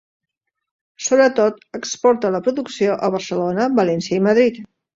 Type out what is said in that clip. Sobretot, exporta la producció a Barcelona, València i Madrid.